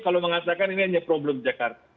kalau mengatakan ini hanya problem jakarta